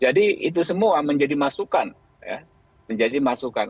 jadi itu semua menjadi masukan ya menjadi masukan